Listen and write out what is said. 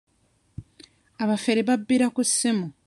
Abafere babbira ku ssimu.